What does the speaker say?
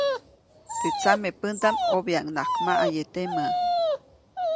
Teʼ tsamepändaʼm ʼobyaʼuŋnaʼak maʼaye temä.